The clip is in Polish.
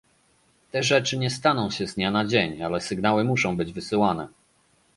Te rzeczy nie staną się z dnia na dzień, ale sygnały muszą być wysyłane